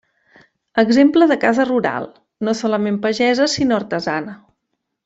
Exemple de casa rural, no solament pagesa sinó artesana.